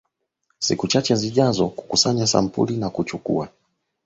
siku chache zijazo kukusanya sampuli na kuchukua